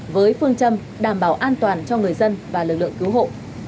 với phương châm đảm bảo an toàn cho người dân và lực lượng cứu hộ